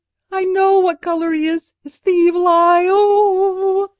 I know what colour he is; it's the evil eye—oh!"